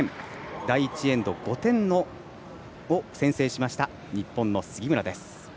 第１エンド、５点を先制した日本の杉村です。